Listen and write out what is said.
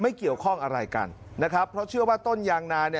เกี่ยวข้องอะไรกันนะครับเพราะเชื่อว่าต้นยางนา